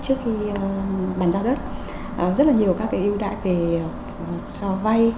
trước khi bàn giao đất rất là nhiều các cái ưu đại về cho vay